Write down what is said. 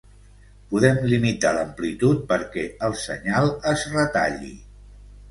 Podem limitar l'amplitud perquè el senyal es retalli.